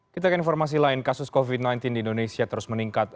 kita ke informasi lain kasus covid sembilan belas di indonesia terus meningkat